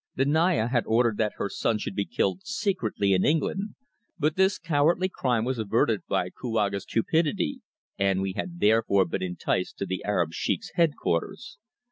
The Naya had ordered that her son should be killed secretly in England, but this cowardly crime was averted by Kouaga's cupidity, and we had therefore been enticed to the Arab sheikh's headquarters.